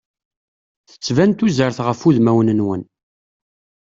Tettban tuzert ɣef udmawen-nwen.